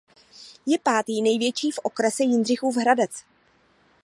Je pátý největší v okrese Jindřichův Hradec.